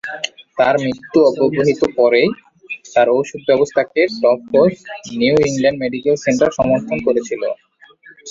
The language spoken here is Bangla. তার মৃত্যুর অব্যবহিত পরেই, তার ঔষধ ব্যবস্থাকে টফ্টস-নিউ ইংল্যান্ড মেডিকেল সেন্টার সমর্থন করেছিল।